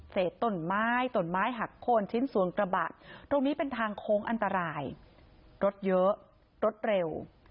เศษต้นไม้ตนไม้หักโค้นชิ้นส่วนกระบะตรงนี้เป็นทางโค้งอันตรายรถเยอะรถเร็ว